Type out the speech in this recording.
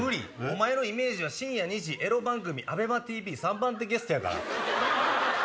お前のイメージは深夜２時エロ番組ＡｂｅｍａＴＶ３番手ゲストやから。